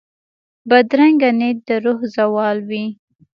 بدرنګه نیت د روح زوال وي